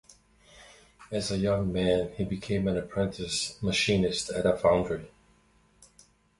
As a young man he became an apprentice machinist at a foundry.